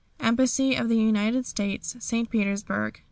"Embassy of the United States, St. Petersburg.